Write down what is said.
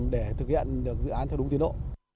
để thực hiện dự án theo đúng tiến độ